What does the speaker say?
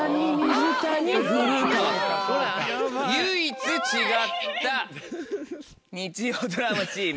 唯一違った日曜ドラマチーム。